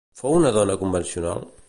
Fou una dona convencional?